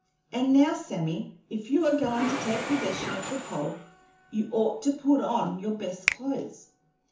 And now, Sammy, if you are goin' to take possession of the pole, you ought to put on your best clothes.